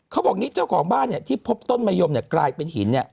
เขาบอกนี้เจ้าของบ้านเนี่ยที่พบต้นมะยมเนี่ยกลายเป็นหินเนี่ย